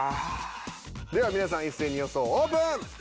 では皆さん一斉に予想オープン！